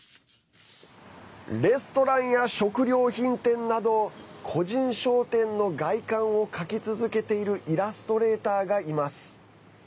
レストランや食料品店など個人商店の外観を描き続けているイラストレーターがいます。